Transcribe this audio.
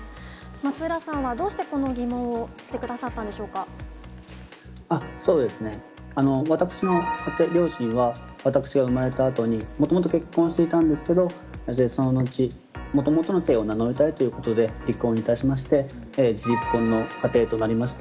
松浦さんはどうしてこの疑問をしそうですね、私の両親は、私が産まれたあとに、もともと結婚していたんですけれども、そののち、もともとの姓を名乗りたいということで、離婚いたしまして、事実婚の家庭となりました。